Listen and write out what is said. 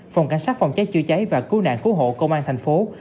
phòng cảnh sát phòng cháy chữa cháy và cứu nạn cứu hộ công an tp hcm